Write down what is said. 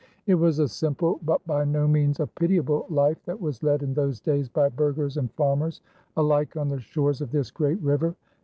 It was a simple but by no means a pitiable life that was led in those days by burghers and farmers alike on the shores of this great river.